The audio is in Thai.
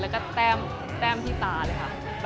แล้วก็แต้มที่ตาเลยค่ะ